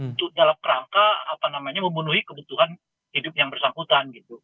untuk dalam kerangka memenuhi kebutuhan hidup yang bersangkutan gitu